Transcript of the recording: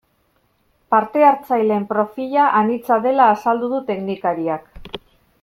Parte hartzaileen profila anitza dela azaldu du teknikariak.